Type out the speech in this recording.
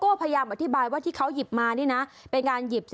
ก็มันไม่แถมอ่ะครับ